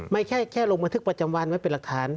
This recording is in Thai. ไม่ใช่แค่ลงบันทึกประจำวันไว้เป็นหลักฐาน